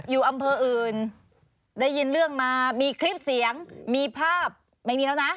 อยู่อำเภออื่นได้ยินเรื่องมามีคลิปเสียงมีภาพไม่มีแล้วนะ